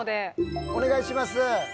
お願いします